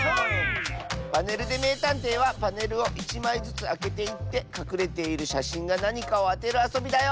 「パネルでめいたんてい」はパネルを１まいずつあけていってかくれているしゃしんがなにかをあてるあそびだよ！